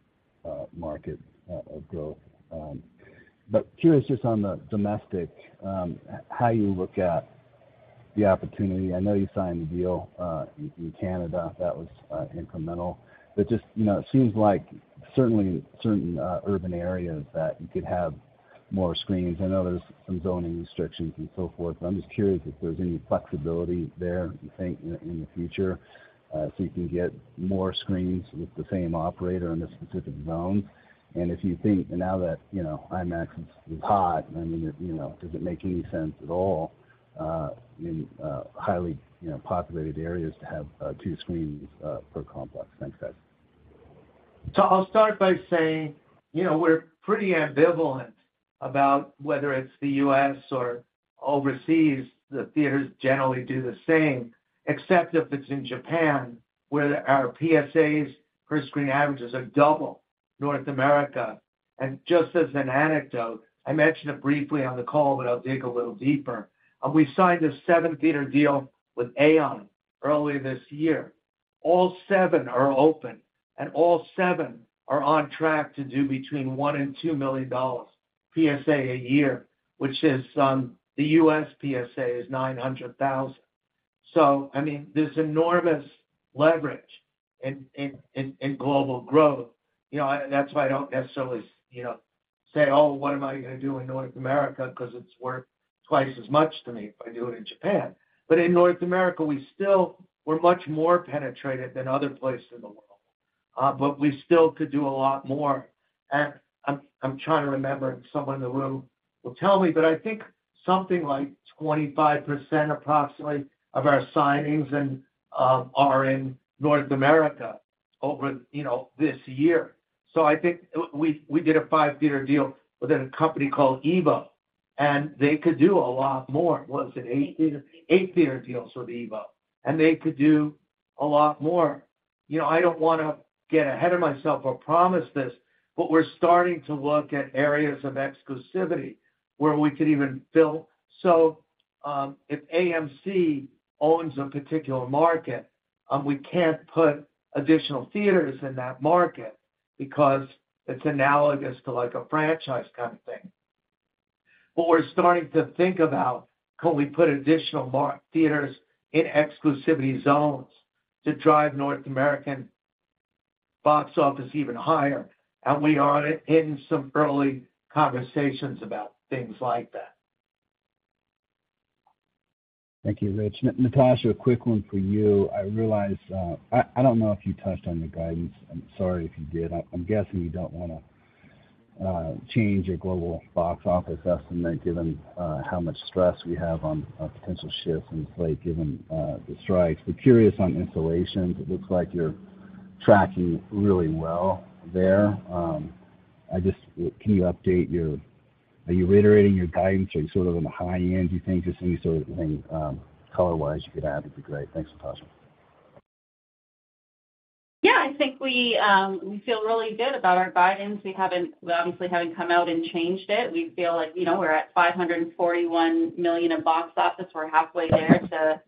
market of growth. Curious just on the domestic, how you look at the opportunity. I know you signed a deal in Canada that was incremental, just, you know, it seems like certainly, certain urban areas that you could have more screens. I know there's some zoning restrictions and so forth, I'm just curious if there's any flexibility there, you think, in the future, so you can get more screens with the same operator in a specific zone. If you think now that, you know, IMAX is hot, I mean, you know, does it make any sense at all, in highly, you know, populated areas to have, two screens, per complex? Thanks, guys. I'll start by saying, you know, we're pretty ambivalent about whether it's the U.S. or overseas. The theaters generally do the same, except if it's in Japan, where our PSAs per screen averages are double North America. Just as an anecdote, I mentioned it briefly on the call, but I'll dig a little deeper. We signed a 7-theater deal with AEON early this year. All 7 are open, and all 7 are on track to do between $1 million to 2 million PSA a year, which is, the U.S. PSA is $900,000. I mean, there's enormous leverage in global growth. You know, that's why I don't necessarily, you know, say: Oh, what am I gonna do in North America? Because it's worth twice as much to me if I do it in Japan. In North America, we're much more penetrated than other places in the world. We still could do a lot more. I'm trying to remember, someone in the room will tell me, but I think something like 25%, approximately, of our signings and are in North America over, you know, this year. I think we did a five-theater deal with a company called EVO, and they could do a lot more. Was it eight-theater? eight-theater deals with EVO, and they could do a lot more. You know, I don't wanna get ahead of myself or promise this, we're starting to look at areas of exclusivity where we could even build. If AMC owns a particular market, we can't put additional theaters in that market because it's analogous to, like, a franchise kind of thing. We're starting to think about, could we put additional theaters in exclusivity zones to drive North American box office even higher? We are in some early conversations about things like that. Thank you, Rich. Natasha, a quick one for you. I realize, I don't know if you touched on the guidance. I'm sorry if you did. I'm guessing you don't wanna change your global box office estimate, given how much stress we have on potential shifts in play, given the strikes. We're curious on installations. It looks like you're tracking really well there. Are you reiterating your guidance, or are you sort of on the high end, do you think? Just any sort of thing, color-wise you could add would be great. Thanks, Natasha. Yeah, I think we feel really good about our guidance. We haven't, we obviously haven't come out and changed it. We feel like, you know, we're at $541 million in box office. We're halfway there to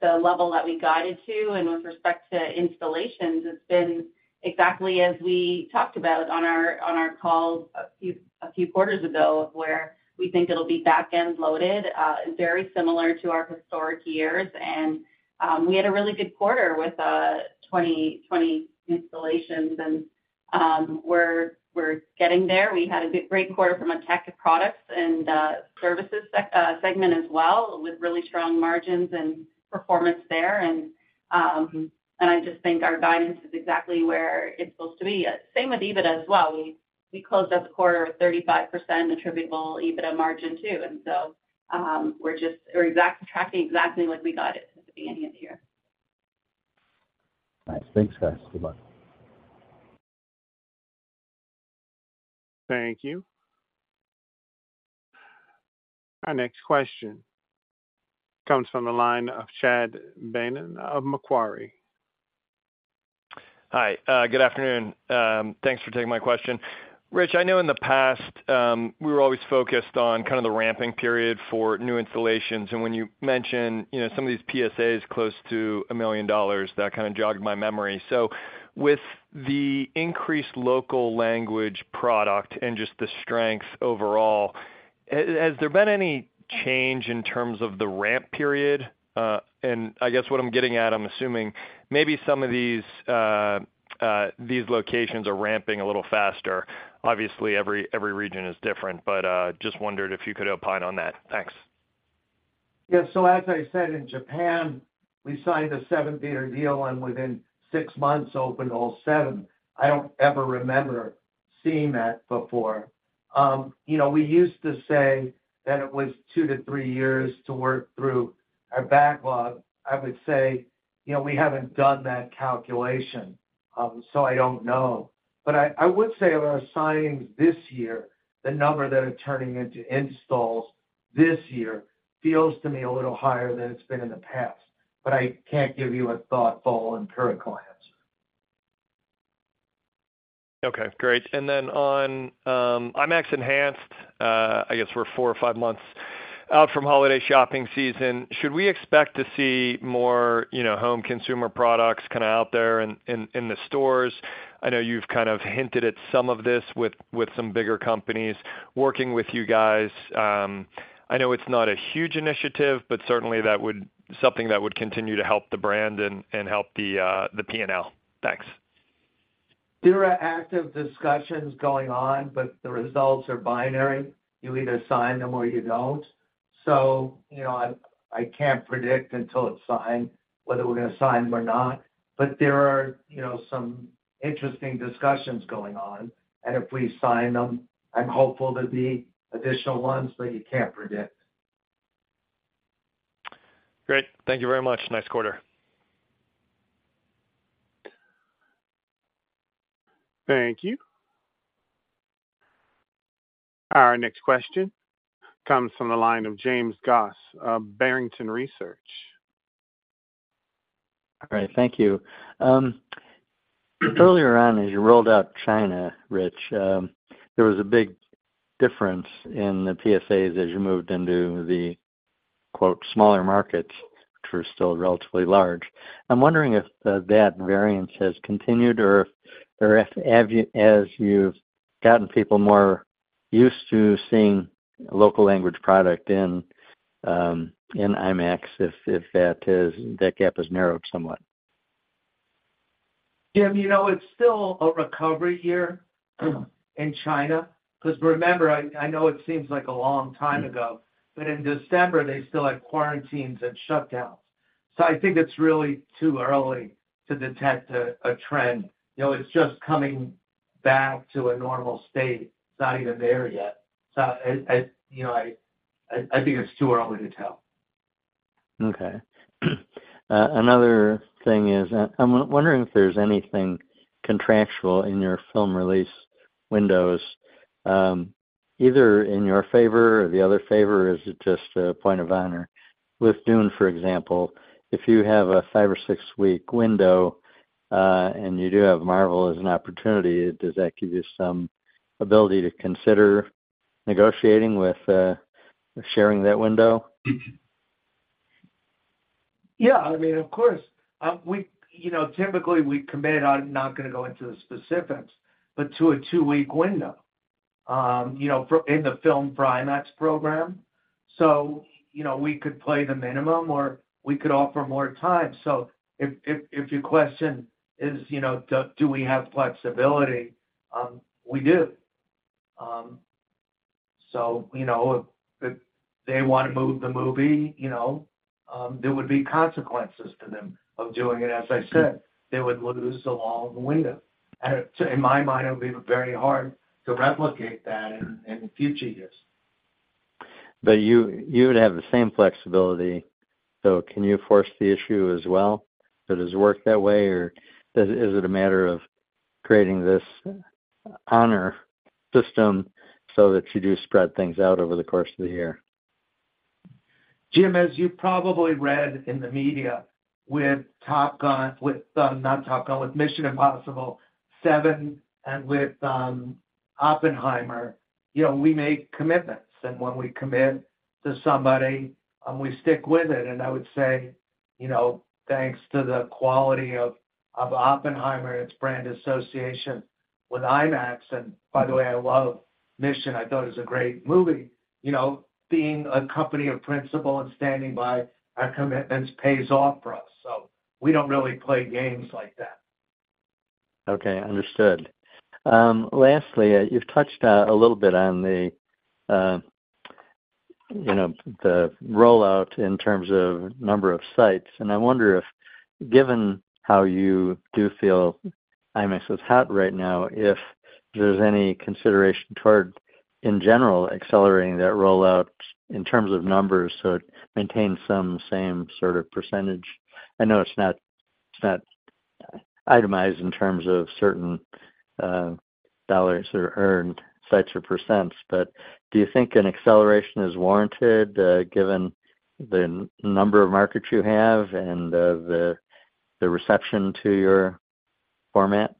the level that we guided to. With respect to installations, it's been exactly as we talked about on our call a few quarters ago, where we think it'll be back-end loaded, very similar to our historic years. We had a really good quarter with 20 installations, and we're getting there. We had a great quarter from a Tech Products and Services segment as well, with really strong margins and performance there. I just think our guidance is exactly where it's supposed to be. Same with EBITDA as well. We closed out the quarter with 35% attributable EBITDA margin, too. We're just tracking exactly like we guided at the beginning of the year. Nice. Thanks, guys. Goodbye. Thank you. Our next question comes from the line of Chad Beynon of Macquarie. Hi, good afternoon. Thanks for taking my question. Rich, I know in the past, we were always focused on kind of the ramping period for new installations, and when you mentioned, you know, some of these PSAs close to $1 million, that kind of jogged my memory. With the increased local language product and just the strength overall, has there been any change in terms of the ramp period? I guess what I'm getting at, I'm assuming maybe some of these locations are ramping a little faster. Obviously, every region is different, but just wondered if you could opine on that. Thanks. Yeah. As I said, in Japan, we signed a seven-theater deal, and within six months, opened all seven. I don't ever remember seeing that before. You know, we used to say that it was two to three years to work through our backlog. I would say, you know, we haven't done that calculation, I don't know. I would say of our signings this year, the number that are turning into installs this year feels to me a little higher than it's been in the past, I can't give you a thoughtful and clear glance. Okay, great. Then on IMAX Enhanced, I guess we're four or five months out from holiday shopping season. Should we expect to see more, you know, home consumer products kind of out there in the stores? I know you've kind of hinted at some of this with some bigger companies working with you guys. I know it's not a huge initiative, but certainly something that would continue to help the brand and help the P&L. Thanks. There are active discussions going on, but the results are binary. You either sign them or you don't. you know, I can't predict until it's signed, whether we're going to sign or not. There are, you know, some interesting discussions going on, and if we sign them, I'm hopeful there'll be additional ones. You can't predict. Great. Thank you very much. Nice quarter. Thank you. Our next question comes from the line of James Goss of Barrington Research. All right. Thank you. Earlier on, as you rolled out China, Rich, there was a big difference in the PSAs as you moved into the quote, smaller markets, which were still relatively large. I'm wondering if that variance has continued or if as you've gotten people more used to seeing local language product in IMAX, if that gap has narrowed somewhat? Jim, you know, it's still a recovery year in China, because remember, I know it seems like a long time ago, but in December, they still had quarantines and shutdowns. I think it's really too early to detect a trend. You know, it's just coming back to a normal state. It's not even there yet. As you know, I think it's too early to tell. Okay. Another thing is, I'm wondering if there's anything contractual in your film release windows, either in your favor or the other favor, or is it just a point of honor? With Dune, for example, if you have a five or six week window, and you do have Marvel as an opportunity, does that give you some ability to consider negotiating with, sharing that window? Yeah, I mean, of course. We, you know, typically we commit, I'm not going to go into the specifics, but to a two-week window, you know, in the Filmed for IMAX program. You know, we could play the minimum or we could offer more time. If your question is, you know, do we have flexibility? We do. You know, if they want to move the movie, you know, there would be consequences to them of doing it. As I said, they would lose a long window. In my mind, it would be very hard to replicate that in future years. You would have the same flexibility. Can you force the issue as well? Does it work that way, or is it a matter of creating this honor system so that you do spread things out over the course of the year? James, as you probably read in the media, with Top Gun, with, not Top Gun, with Mission: Impossible 7 and with, Oppenheimer, you know, we make commitments, and when we commit to somebody, we stick with it. I would say, you know, thanks to the quality of Oppenheimer and its brand association with IMAX, and by the way, I love Mission. I thought it was a great movie. You know, being a company of principle and standing by our commitments pays off for us. We don't really play games like that. Okay, understood. Lastly, you've touched a little bit on the, you know, the rollout in terms of number of sites, and I wonder if, given how you do feel IMAX is hot right now, if there's any consideration toward, in general, accelerating that rollout in terms of numbers, so it maintains some same sort of percentage. I know it's not, it's not itemized in terms of certain dollars or earned sites or percents, but do you think an acceleration is warranted, given the number of markets you have and the reception to your format?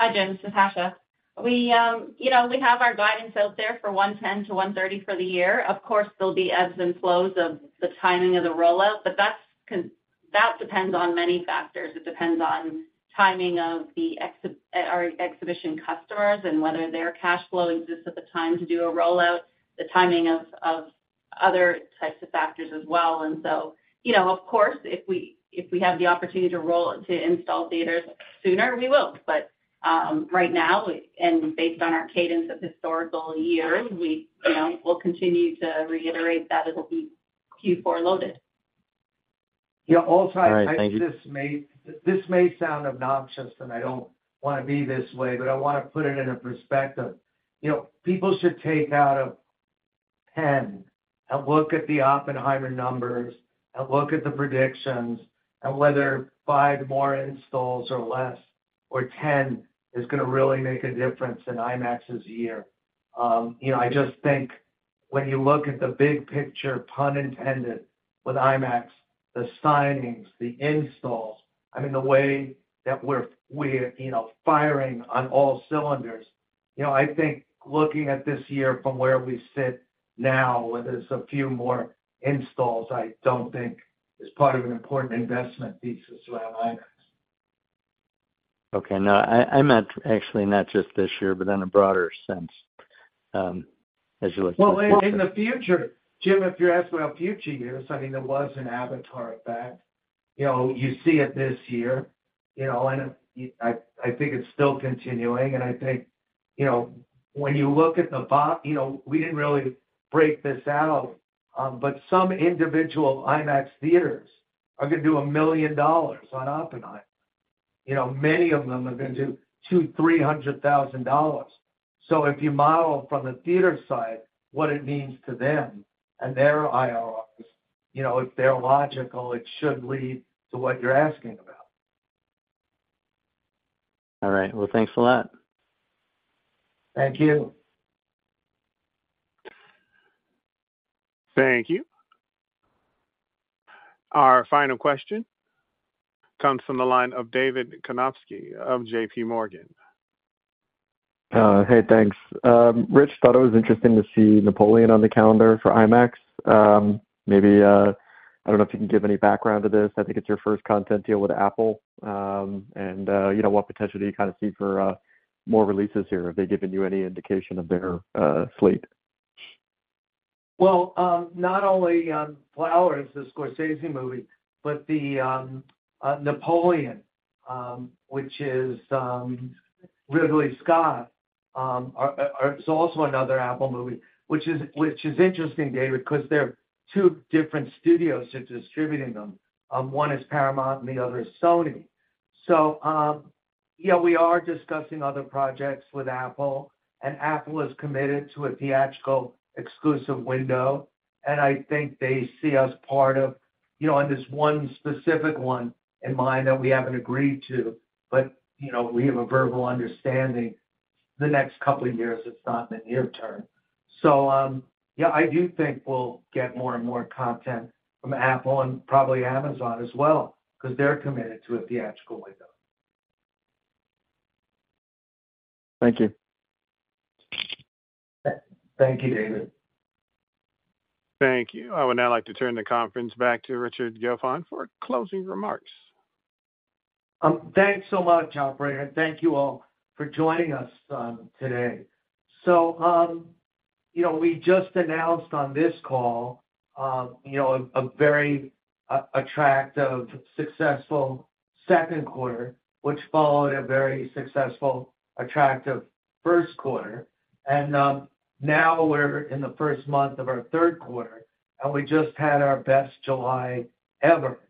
Hi, Jim, it's Natasha. We, you know, we have our guidance out there for 110-130 for the year. Of course, there'll be ebbs and flows of the timing of the rollout, but that depends on many factors. It depends on timing of our exhibition customers and whether their cash flow exists at the time to do a rollout, the timing of other types of factors as well. You know, of course, if we, if we have the opportunity to install theaters sooner, we will. Right now, and based on our cadence of historical years, we, you know, we'll continue to reiterate that it'll be Q4 loaded. Yeah. All right. Thank you. This may sound obnoxious, and I don't want to be this way, but I want to put it in a perspective. You know, people should take out a pen and look at the Oppenheimer numbers and look at the predictions and whether five more installs or less or 10 is going to really make a difference in IMAX's year. You know, when you look at the big picture, pun intended, with IMAX, the signings, the installs, I mean, the way that we're, you know, firing on all cylinders. You know, I think looking at this year from where we sit now, where there's a few more installs, I don't think is part of an important investment thesis around IMAX. Okay. No, I meant actually not just this year, but in a broader sense. Well, in the future, Jim, if you're asking about future years, I mean, there was an Avatar effect. You know, you see it this year, you know, and I think it's still continuing, and I think, you know, when you look at the, you know, we didn't really break this out, but some individual IMAX theaters are gonna do $1 million on Oppenheimer. You know, many of them are gonna do $200,000-$300,000. If you model from the theater side, what it means to them and their IRRs, you know, if they're logical, it should lead to what you're asking about. All right. Well, thanks a lot. Thank you. Thank you. Our final question comes from the line of David Karnovsky of J.P. Morgan. Hey, thanks. Rich, thought it was interesting to see Napoleon on the calendar for IMAX. Maybe, I don't know if you can give any background to this. I think it's your first content deal with Apple. You know, what potential do you kinda see for more releases here? Have they given you any indication of their slate? Well, not only Flowers, the Scorsese movie, but Napoleon, which is Ridley Scott, is also another Apple movie, which is interesting, David, 'cause they're two different studios who are distributing them. One is Paramount and the other is Sony. Yeah, we are discussing other projects with Apple, and Apple is committed to a theatrical exclusive window, and I think they see us part of, you know, and there's one specific one in mind that we haven't agreed to, but, you know, we have a verbal understanding the next couple of years. It's not in the near term. Yeah, I do think we'll get more and more content from Apple and probably Amazon as well, 'cause they're committed to a theatrical window. Thank you. Thank you, David. Thank you. I would now like to turn the conference back to Richard Gelfond for closing remarks. Thanks so much, operator, and thank you all for joining us today. You know, we just announced on this call, you know, a very attractive, successful Q2, which followed a very successful, attractive Q1. Now we're in the first month of our Q3, and we just had our best July ever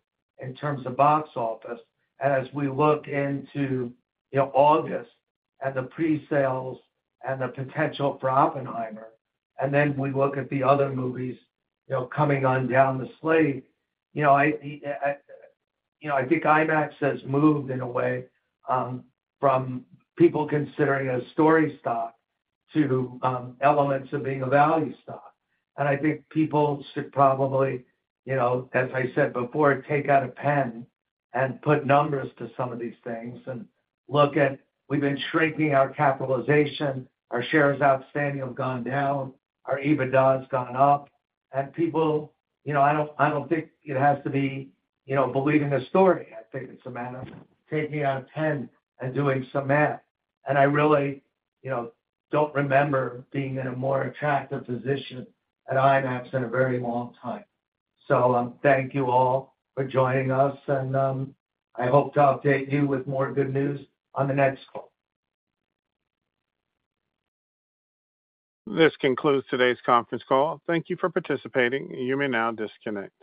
in terms of box office. As we look into, you know, August and the presales and the potential for Oppenheimer, and then we look at the other movies, you know, coming on down the slate, you know, I think IMAX has moved in a way from people considering a story stock to elements of being a value stock. I think people should probably, you know, as I said before, take out a pen and put numbers to some of these things and look at. We've been shrinking our capitalization. Our shares outstanding have gone down. Our EBITDA has gone up. People, you know, I don't, I don't think it has to be, you know, believing a story. I think it's a matter of taking out a pen and doing some math. I really, you know, don't remember being in a more attractive position at IMAX in a very long time. Thank you all for joining us, and I hope to update you with more good news on the next call. This concludes today's conference call. Thank you for participating. You may now disconnect.